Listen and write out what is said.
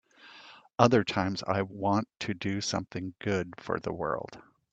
Other times I want to do something good for the world.